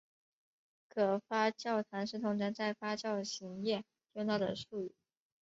可发酵糖是通常在发酵行业用到的术语。